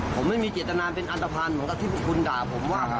ผมไม่มีเจตนาเป็นอันตภัณฑ์เหมือนกับที่พวกคุณด่าผมว่า